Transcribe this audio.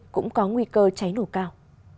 cũng có nguy cơ trái nổ cao